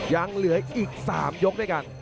ยังเหลืออีกสามยกได้กัน